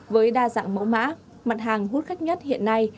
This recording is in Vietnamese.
với đa dạng mẫu mã mặt hàng hút khách nhất hiện nay